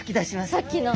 さっきの。